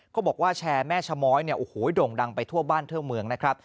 เขาบอกว่าแชร์แม่ชะม้อยโด่งดังไปทั่วบ้านเท่าเมืองนะครับ